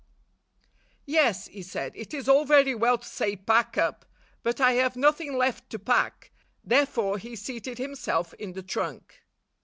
"Yes," he said, "it is all very well to say, 'Pack up/ but I have nothing left to pack." Therefore he seated himself in the trunk.